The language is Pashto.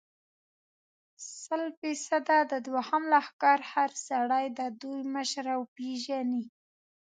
سل فیصده، د دوهم لښکر هر سړی د دوی مشره پېژني.